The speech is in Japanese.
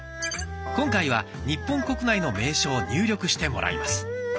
今回は日本国内の名所を入力してもらいます。